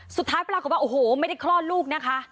สุดท้ายปรากฏว่าโอ้โหไม่ได้คลอดลูกนะคะ